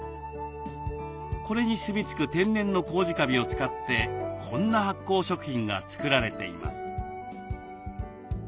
これにすみつく天然のコウジカビを使ってこんな発酵食品が作られています。